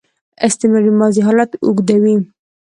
استمراري ماضي حالت اوږدوي.